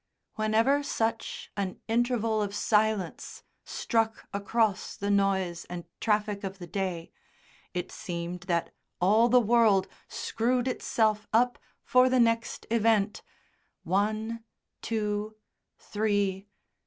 Whenever such an interval of silence struck across the noise and traffic of the day, it seemed that all the world screwed itself up for the next event. "One two three."